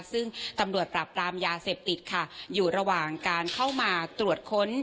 ซึ่งตำรวจปราบปรามยาเสพติดค่ะอยู่ระหว่างการเข้ามาตรวจค้น